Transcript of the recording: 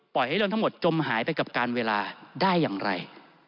ให้เรื่องทั้งหมดจมหายไปกับการเวลาได้อย่างไร